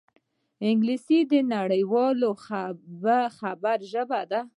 انګلیسي د نړيوال خبر ژبه ده